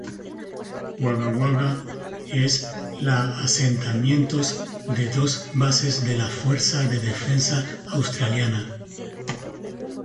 Wagga Wagga es la asentamientos de dos bases de la Fuerza de Defensa Australiana.